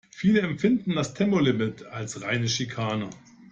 Viele empfinden das Tempolimit als reine Schikane.